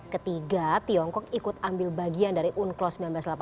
ketiga tiongkok ikut ambil bagian dari unclos seribu sembilan ratus delapan puluh